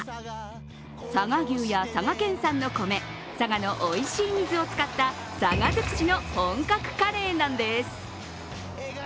佐賀牛や佐賀県産の米、佐賀のおいしい水を使った佐賀尽くしの本格カレーなんです。